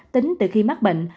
tính từ khi mắc bệnh